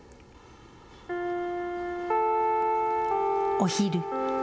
お昼。